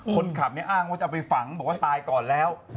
คนขับเนี่ยอ้างว่าจะเอาไปฝังบอกว่าตายก่อนแล้ว